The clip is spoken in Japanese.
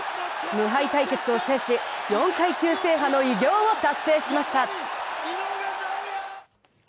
無敗対決を制し４階級制覇の偉業を達成しました。